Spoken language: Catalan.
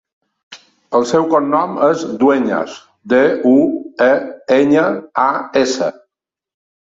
El seu cognom és Dueñas: de, u, e, enya, a, essa.